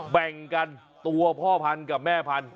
แบ่งกันตัวพ่อพันธุ์กับแม่พันธุ